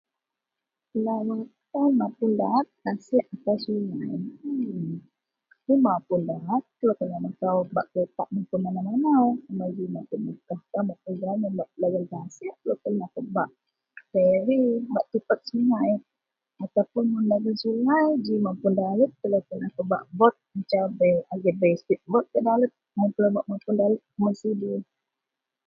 ..(unclear0.. ataupun ji mapun dalet... [unintelligible] mapun sibu